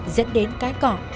dẫn đến cái cọ